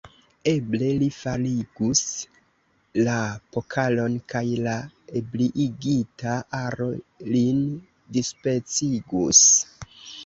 Eble, li faligus la pokalon kaj la ebriigita aro lin dispecigus.